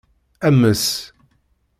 Ames.